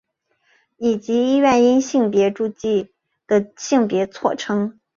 以及医院因性别注记的性别错称。